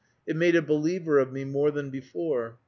It made a believer of me more than before.